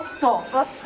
あった。